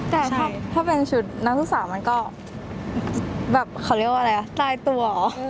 แต่ถ้าเป็นชุดนักศึกษามันก็แบบเขาเรียกว่าอะไรอ่ะลายตัวเหรอ